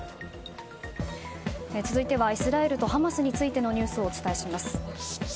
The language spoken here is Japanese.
続いてはイスラエルとハマスについてのニュースをお伝えします。